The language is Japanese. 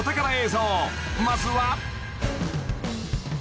［まずは］